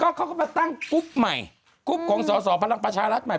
เขาก็มาตั้งกรุ๊ปใหม่กรุ๊ปของสอสอพลังประชารัฐใหม่